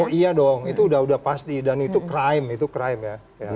oh iya dong itu udah pasti dan itu crime itu crime ya